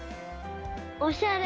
おしゃれ。